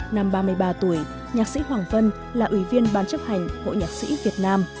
năm ba mươi ba tuổi nhạc sĩ hoàng vân là ủy viên ban chấp hành hội nhạc sĩ việt nam